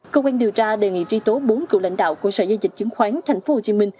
cơ quan điều tra đề nghị truy tố bốn cựu lãnh đạo của sở dây dịch chứng khoán tp hcm